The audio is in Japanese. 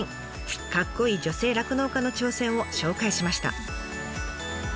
かっこいい女性酪農家の挑戦を紹介しました。